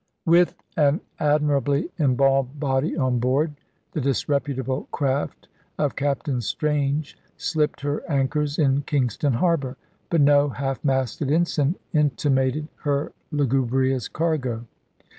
With an admirably embalmed body on board, the disreputable craft of Captain Strange slipped her anchors in Kingston Harbour; but no half masted ensign intimated her lugubrious cargo.